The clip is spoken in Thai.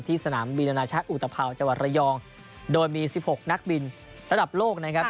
ที่สนามบินนาชะอุตพาวจระยองโดยมี๑๖นักบินระดับโลกนะครับ